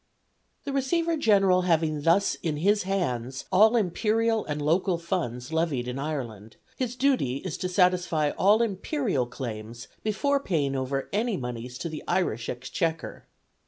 The Receiver General having thus in his hands all imperial and local funds levied in Ireland, his duty is to satisfy all imperial claims before paying over any moneys to the Irish Exchequer.